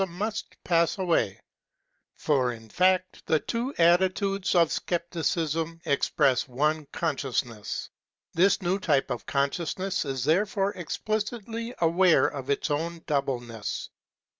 PHENOMENOLOGY OF THE SPIRIT 615 attitudes of Scepticism express One Consciousness. This new Type of Consciousness is therefore explicitly aware of its own doubleness.